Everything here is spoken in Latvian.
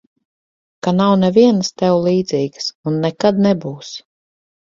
Ka nav nevienas tev līdzīgas un nekad nebūs.